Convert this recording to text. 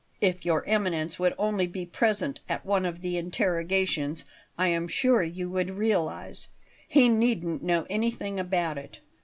If Your Eminence would only be present at one of the interrogations, I am sure you would realize He needn't know anything about it.